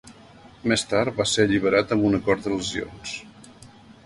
Més tard va ser alliberat amb un acord de lesions.